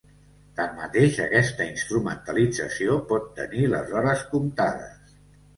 Tanmateix, aquesta instrumentalització pot tenir les hores comptades.